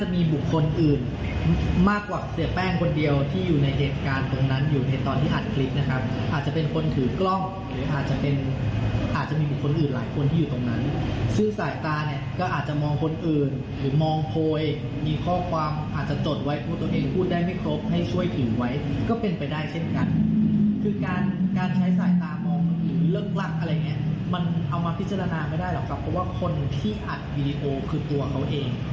มันเอามาพิจารณาไม่ได้หรอกครับเพราะว่าคนที่อัดวีดีโอคือตัวเขาเอง